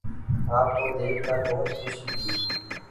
آپ کو دیکھ کر بہت خوشی ہوئی